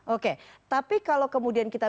oke tapi kalau kemudian kita